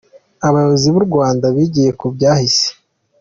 Abayobozi b’u Rwanda bigiye ku byahise.